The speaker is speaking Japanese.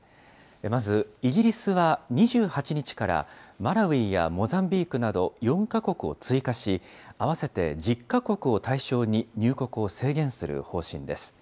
まずイギリスは２８日から、マラウイやモザンビークなど、４か国を追加し、合わせて１０か国を対象に入国を制限する方針です。